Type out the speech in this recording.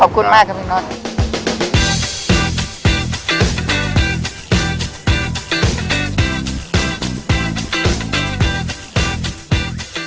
ขอบคุณมากค่ะพี่น้อย